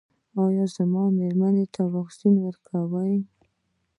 ایا زما میرمنې ته واکسین کوئ؟